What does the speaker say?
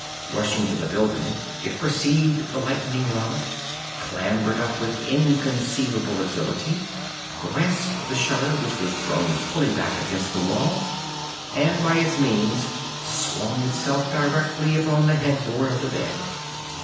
Rushing to the building, it perceived the lightning rod, clambered up with inconceivable agility, grasped the shutter, which was thrown fully back against the wall, and, by its means, swung itself directly upon the headboard of the bed.